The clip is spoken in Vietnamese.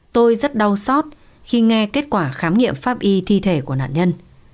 tôi rất đau xót khi nghe kết quả khám nghiệm pháp y thi thể của nạn nhân